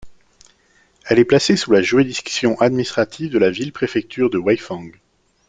Elle est placée sous la juridiction administrative de la ville-préfecture de Weifang.